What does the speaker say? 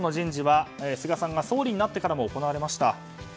官僚人事は菅さんが総理になってからも行われました。